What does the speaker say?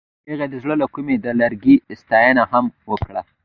هغې د زړه له کومې د لرګی ستاینه هم وکړه.